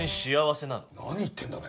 何言ってるんだ？